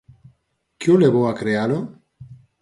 Que o levou a crealo?